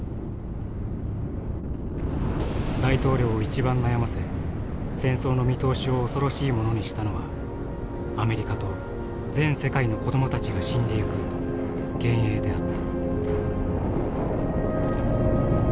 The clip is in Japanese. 大統領を一番悩ませ戦争の見通しを恐ろしいものにしたのはアメリカと全世界の子どもたちが死んでいく幻影であった」。